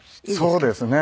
そうですね。